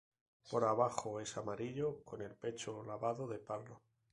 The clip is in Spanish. Por abajo es amarillo, con el pecho lavado de pardo.